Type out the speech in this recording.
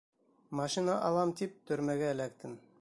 Машина алам тип, төрмәгә эләктем.